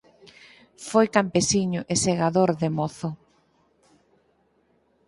Foi campesiño e segador de mozo.